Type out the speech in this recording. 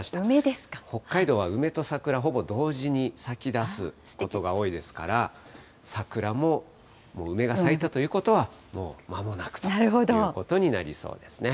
北海道は梅と桜、ほぼ同時に咲きだすことが多いですから、桜も、もう梅が咲いたということは、もうまもなくということになりそうですね。